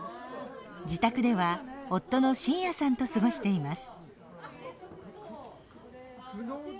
自宅では夫の晋哉さんと過ごしています。